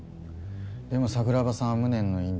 でも桜庭さんは無念の引退。